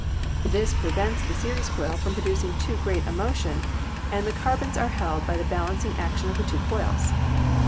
This prevents the series coil from producing too great a motion, and the carbons are held by the balancing action of the two coils.